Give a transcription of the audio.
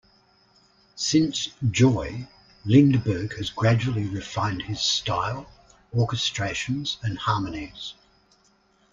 Since "Joy", Lindberg has gradually refined his style, orchestrations and harmonies.